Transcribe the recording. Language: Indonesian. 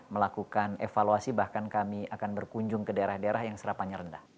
melakukan evaluasi bahkan kami akan berkunjung ke daerah daerah yang serapannya rendah